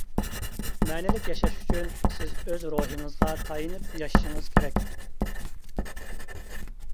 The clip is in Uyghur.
مەنىلىك ياشاش ئۈچۈن سىز ئۆز روھىڭىزغا تايىنىپ ياشىشىڭىز كېرەك.